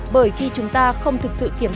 bởi khi chúng ta không thực sự kiểm tra